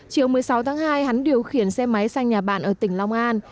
chiều một mươi sáu tháng hai hắn điều khiển xe máy sang nhà bạn ở tỉnh long an